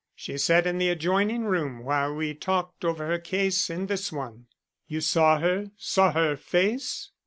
She sat in the adjoining room while we talked over her case in this one." "You saw her saw her face?"